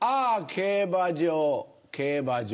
競馬場競馬場。